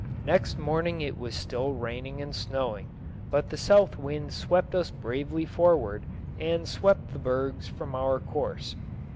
Next morning it was still raining and snowing, but the south wind swept us bravely forward and swept the bergs from our course.